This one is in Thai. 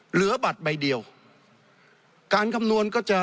เหลือบัตรใบเดียว